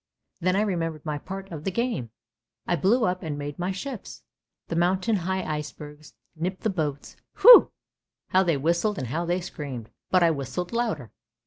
Then I remembered my part of the game ! I blew up and made my ships, the mountain high icebergs, nip the boats; whew! how they whistled and how they screamed, but I whistled louder.